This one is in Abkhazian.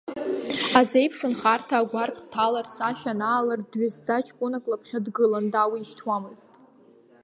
Азеиԥшынхарҭа агәарԥ дҭаларц, ашә анаалырт, дҩызӡа ҷкәынак лаԥхьа дгылан, дауишьҭуамызт.